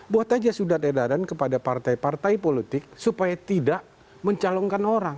buat aja surat edaran kepada partai partai politik supaya tidak mencalonkan orang